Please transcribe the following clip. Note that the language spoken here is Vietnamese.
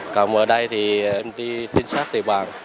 còn ở đây thì em đi tính sát tùy bàn